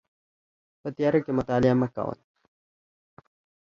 په تیاره کې مطالعه مه کوئ